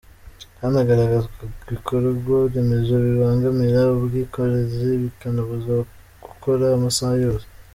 Hanagaragazwa ibikorwa remezo bibangamira ubwikorezi bikanabuza gukora amasaha yose.